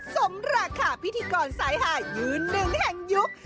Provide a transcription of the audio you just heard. สมราคาพิธีกรสายหายืนหนึ่งแห่งยุค